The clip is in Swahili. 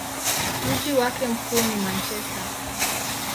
Mji wake mkuu ni Manchester.